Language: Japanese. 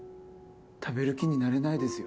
食べる気になれないですよ。